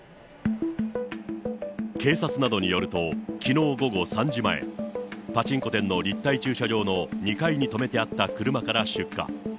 警察などによると、きのう午後３時前、パチンコ店の立体駐車場の２階に止めてあった車から出火。